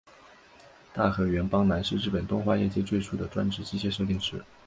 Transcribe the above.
大河原邦男是日本动画业界最初的专职机械设定师。